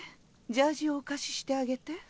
ジャージをお貸ししてあげて。